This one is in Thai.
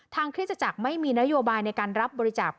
คริสตจักรไม่มีนโยบายในการรับบริจาค